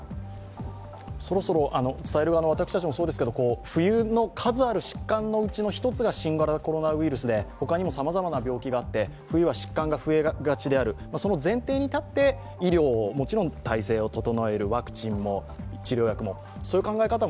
そろそろ、伝える側の私たちもそうですけれども冬の数ある疾患のうちの１つが新型コロナウイルスで、ほかにもさまざまに冬は疾患が増えがちであるその前提に立って医療の体制を整える、ワクチンも、治療薬もという考え方も